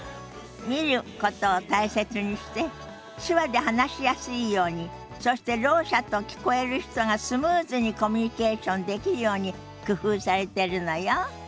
見ることを大切にして手話で話しやすいようにそしてろう者と聞こえる人がスムーズにコミュニケーションできるように工夫されてるのよ。